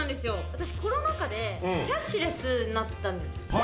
私コロナ禍でキャッシュレスになったんです。